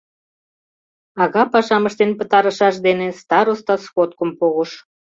Ага пашам ыштен пытарышаш дене староста сходкым погыш.